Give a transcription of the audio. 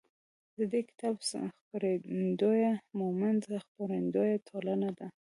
د دې کتاب خپرندویه مومند خپروندویه ټولنه ده.